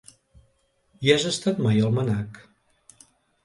Hi has estat mai al MNAC?